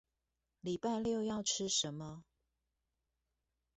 禮拜六要吃什麼